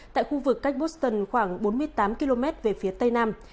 tại khu vực cách buston khoảng bốn mươi tám km về phía tây nam